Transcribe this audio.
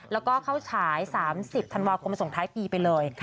แล้วก็เข้าฉาย๓๐ธันวาคมส่งท้ายปีไปเลย